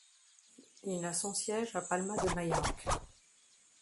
Il a son siège à Palma de Majorque.